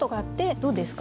どうですか？